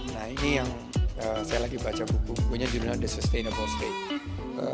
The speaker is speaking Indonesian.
nah ini yang saya lagi baca buku bukunya jurnal the sustainable state